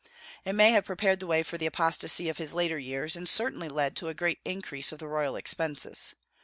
It may have prepared the way for the apostasy of his later years, and certainly led to a great increase of the royal expenses.